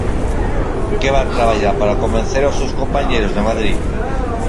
Que van traballar para convencer aos seus compañeiros de Madrid.